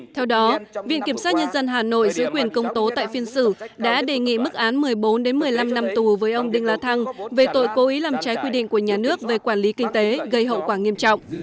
theo đó viện kiểm soát nhân dân hà nội giữ quyền công tố tại phiên xử đã đề nghị mức án một mươi bốn một mươi năm năm tù với ông đinh la thăng về tội cố ý làm trái quy định của nhà nước về quản lý kinh tế gây hậu quả nghiêm trọng